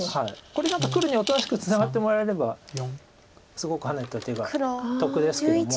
これ何か黒におとなしくツナがってもらえればすごくハネた手が得ですけども。